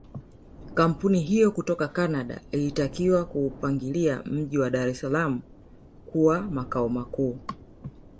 Kampuni hiyo kutoka Canada ilitakiwa kuupangilia mji wa Dar es salaam kuwa makao makuu